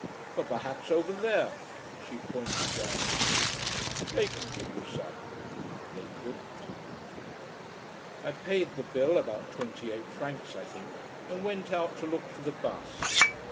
But perhaps over there " she pointed down the street "they can give you some." They couldn't. I paid the bill about twenty eight francs, I think and went out to look for the bus.